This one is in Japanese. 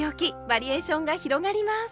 バリエーションが広がります！